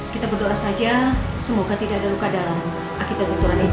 kita berdoa saja semoga tidak ada luka dalam akibat untuhan itu